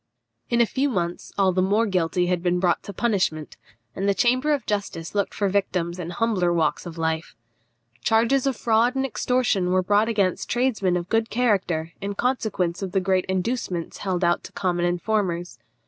In a few months all the more guilty had been brought to punishment, and the Chamber of Justice looked for victims in humbler walks of life. Charges of fraud and extortion were brought against tradesmen of good character in consequence of the great inducements held out to common informers.